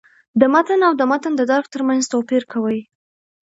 د «متن» او «د متن د درک» تر منځ توپیر کوي.